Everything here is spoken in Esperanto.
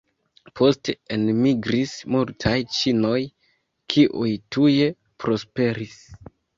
Poste enmigris multaj ĉinoj kiuj tuje prosperis.